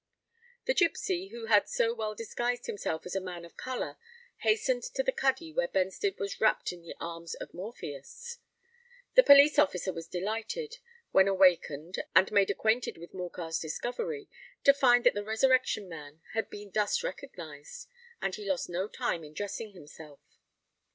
The gipsy, who had so well disguised himself as a man of colour, hastened to the cuddy where Benstead was wrapped in the arms of Morpheus. The police officer was delighted, when awakened and made acquainted with Morcar's discovery, to find that the Resurrection Man had been thus recognised; and he lost no time in dressing himself.